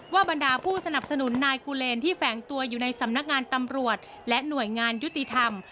บรรดาผู้สนับสนุนนายกูเลนที่แฝงตัวอยู่ในสำนักงานตำรวจและหน่วยงานยุติธรรม